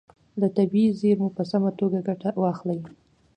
له طبیعي زیرمو په سمه توګه ګټه واخلئ.